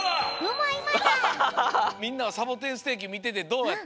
みんなはサボテンステーキみててどうだった？